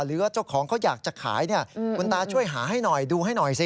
หรือว่าเจ้าของเขาอยากจะขายเนี่ยคุณตาช่วยหาให้หน่อยดูให้หน่อยสิ